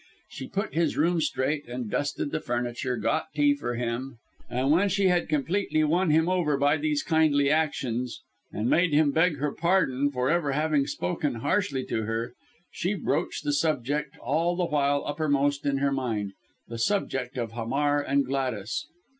She put his room straight and dusted the furniture, got tea for him, and when she had completely won him over by these kindly actions, and made him beg her pardon for ever having spoken harshly to her, she broached the subject all the while uppermost in her mind the subject of Hamar and Gladys.